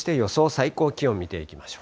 最高気温見ていきまし